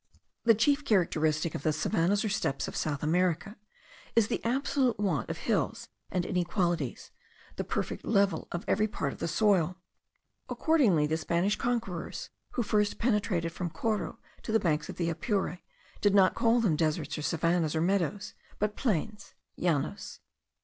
The chief characteristic of the savannahs or steppes of South America is the absolute want of hills and inequalities the perfect level of every part of the soil. Accordingly the Spanish conquerors, who first penetrated from Coro to the banks of the Apure, did not call them deserts or savannahs, or meadows, but plains (llanos).